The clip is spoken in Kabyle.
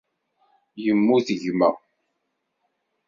Yemmut gma.